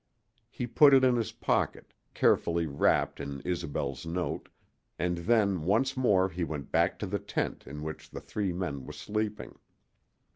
He put it in his pocket, carefully wrapped in Isobel's note, and then once more he went back to the tent in which the three men were sleeping.